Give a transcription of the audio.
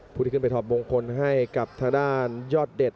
ผู้ที่ขึ้นไปถอดโบงคลให้กับทดารยอดเด็ด